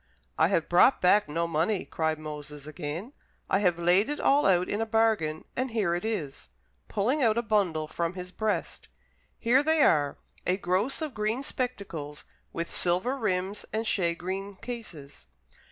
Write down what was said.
"I have brought back no money," cried Moses again. "I have laid it all out in a bargain, and here it is," pulling out a bundle from his breast: "here they are, a gross of green spectacles, with silver rims and shagreen cases."